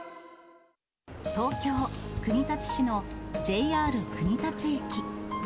東京・国立市のＪＲ国立駅。